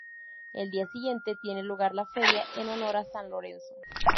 El día siguiente tiene lugar la feria en honor a San Lorenzo.